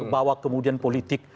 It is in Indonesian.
bahwa kemudian politik